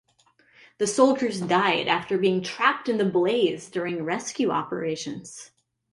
The soldiers died after being trapped in the blaze during rescue operations.